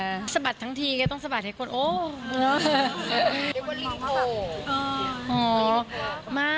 ต้องสะบัดทั้งทีต้องสะบัดให้คนโอ๊ะ